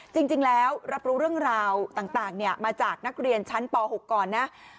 จริงแล้วรับรู้เรื่องราวต่างมาจากนักเรียนชั้นป๖ก่อนนะ